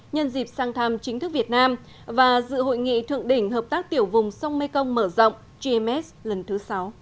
nhân dịp sang thăm chính thức việt nam và dự hội nghị thượng đỉnh hợp tác tiểu vùng sông mekong mở rộng gms lần thứ sáu